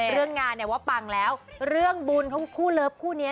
เรื่องงานเนี่ยว่าปังแล้วเรื่องบุญของคู่เลิฟคู่นี้